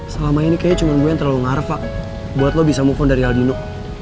selama ini kayaknya cuma gue yang terlalu ngarva buat lo bisa move on dari aldino